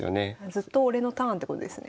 ずっと俺のターンってことですね。